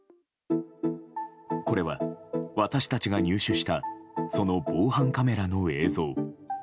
これは私たちが入手したその防犯カメラの映像。